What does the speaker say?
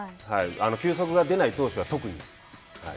球速が出ない投手は特に。